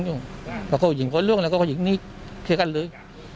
พาก็เขาหญิงโบสถ์ล่วงแล้วก็นี่เชื่อกันเลย